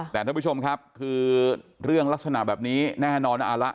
แต่ท่านผู้ชมครับคือเรื่องลักษณะแบบนี้แน่นอนว่าเอาละ